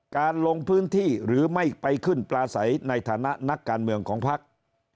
การลงพื้นที่หรือไม่ไปขึ้นปลาใสในฐานะนักการเมืองของพัก